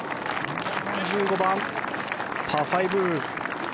１５番、パー５。